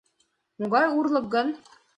— Могай урлык гын?